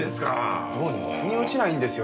どうにも腑に落ちないんですよ。